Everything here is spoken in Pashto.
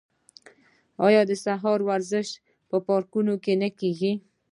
آیا د سهار ورزش په پارکونو کې نه کیږي؟